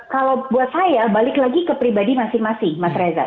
kalau buat saya balik lagi ke pribadi masing masing mas reza